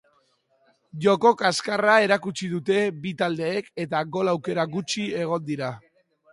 Joko kaskarra erakutsi dute bi taldeek eta gol aukera gutxi egon dira.